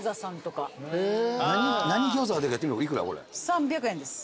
３００円です。